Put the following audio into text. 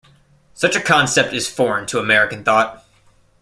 Such a concept is foreign to American thought.